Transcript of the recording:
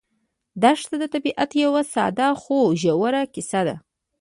دښته د طبیعت یوه ساده خو ژوره کیسه ده.